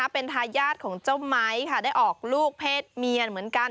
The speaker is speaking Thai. เป็นทายาศของไม้ได้ออกลูกเพชรเหมียนเหมือนกัน